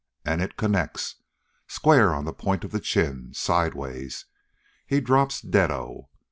An' it connects! Square on the point of the chin, sideways. He drops deado.